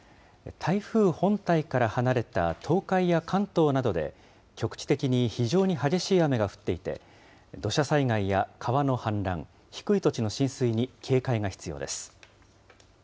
台風本体から離れた東海や関東などで、局地的に非常に激しい雨が降っていて、土砂災害や川の氾濫、低い土地の浸水に警戒が必要です。